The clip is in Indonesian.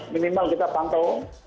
minimal kita pantau